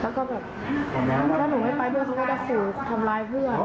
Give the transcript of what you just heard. แล้วก็แบบถ้าหนูไม่ไปเหมือนเขาก็จะฝูทำร้ายเพื่อน